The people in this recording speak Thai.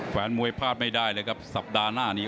แฟนมวยพลาดไม่ได้เลยครับสัปดาห์หน้านี้